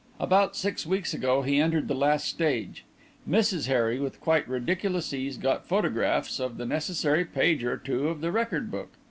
"About six weeks ago he entered the last stage. Mrs Harry, with quite ridiculous ease, got photographs of the necessary page or two of the record book.